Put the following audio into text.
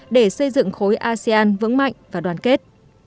để xây dựng khối asean vững mạnh và đoàn kết